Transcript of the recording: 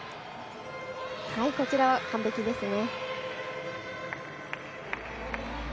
こちらは完璧ですね。